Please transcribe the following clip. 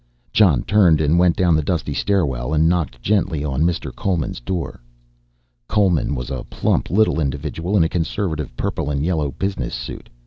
Jon turned and went down the dusty stairwell and knocked gently on Mr. Coleman's door. Coleman was a plump little individual in a conservative purple and yellow business suit.